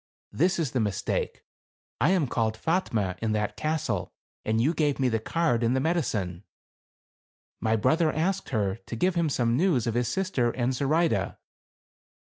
This is the mistake. I am called Fatme in that castle, and you gave me the card and the medi cine !" My brother asked her to give him some news of his sister and Zoraide.